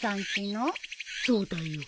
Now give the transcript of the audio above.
そうだよ。